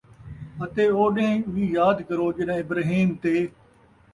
اَتے او ݙین٘ہ وی یاد کرو ڄَݙاں ابراہیم تے